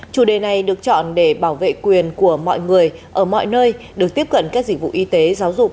chủ đề này được chọn để bảo vệ quyền của mọi người ở mọi nơi được tiếp cận các dịch vụ y tế giáo dục